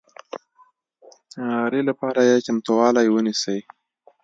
ري لپاره یې چمتوالی ونیسئ